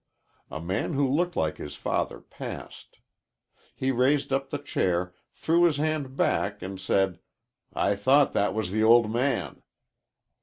A man who looked like his father passed. He raised up in the chair, threw his hand back and said: 'I thought that was the old man.'